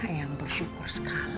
ayam bersyukur sekali